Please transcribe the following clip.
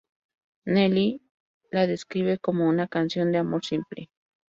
Nelly la describe como una canción de amor simple.